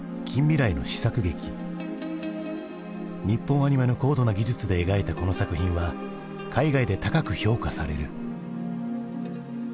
日本アニメの高度な技術で描いたこの作品は海外で高く評価される。